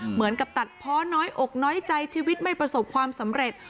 เหมือนกับตัดเพาะน้อยอกน้อยใจชีวิตไม่ประสบความสำเร็จ